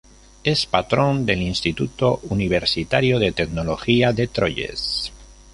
Es patrón del Instituto Universitario de Tecnología de Troyes.